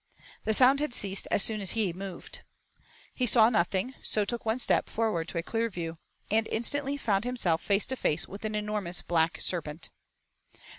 The sound had ceased as soon as he moved. He saw nothing, so took one step forward to a clear view, and instantly found himself face to face with an enormous Black Serpent.